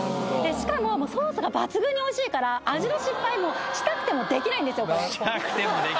しかもソースが抜群においしいからこれしたくてもできないよね